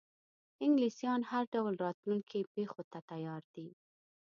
انګلیسیان هر ډول راتلونکو پیښو ته تیار دي.